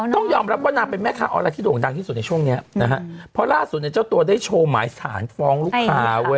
ต้องยอมรับเป็นแม่ค้าออนไลน์ที่ประสบความสำเร็จ